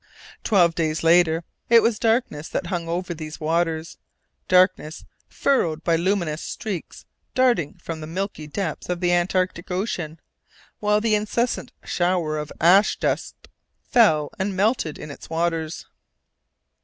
Twelve days later, it was darkness that hung over these waters, darkness furrowed by luminous streaks darting from the milky depths of the Antarctic Ocean, while the incessant shower of ash dust fell and melted in its waters.